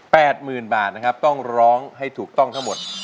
หมื่นบาทนะครับต้องร้องให้ถูกต้องทั้งหมด